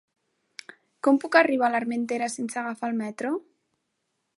Com puc arribar a l'Armentera sense agafar el metro?